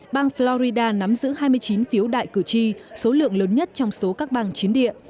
bang florida nắm giữ hai mươi chín phiếu đại cử tri số lượng lớn nhất trong số các bang chiến địa